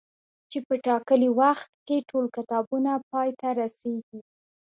چي په ټاکلي وخت کي ټول کتابونه پاي ته رسيږي